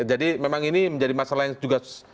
jadi memang ini menjadi masalah yang juga